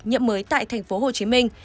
nhiệm mới tại thành phố hồ chí minh